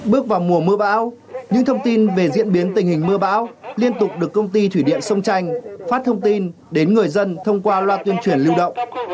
bước vào mùa mưa bão những thông tin về diễn biến tình hình mưa bão liên tục được công ty thủy điện sông chanh phát thông tin đến người dân thông qua loa tuyên truyền lưu động